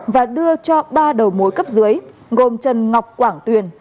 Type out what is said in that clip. và đưa cho ba đầu mối cấp dưới gồm trần ngọc quảng tuyền